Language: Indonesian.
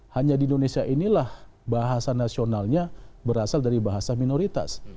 hanya di indonesia inilah bahasa nasionalnya berasal dari bahasa minoritas